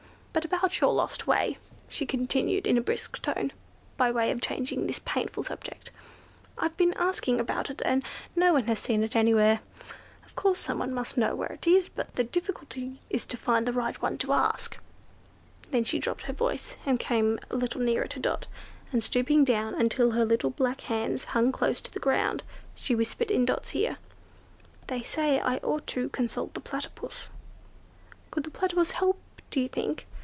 But about your lost way," she continued in a brisk tone, by way of changing this painful subject; "I've been asking about it, and no one has seen it anywhere. Of course someone must know where it is, but the difficulty is to find the right one to ask." Then she dropped her voice, and came a little nearer to Dot, and stooping down until her little black hands hung close to the ground, she whispered in Dot's ear, "They say I ought to consult the Platypus." "Could the Platypus help, do you think?"